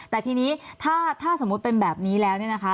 แต่ทีนี้ถ้าสมมุติเป็นแบบนี้แล้วเนี่ยนะคะ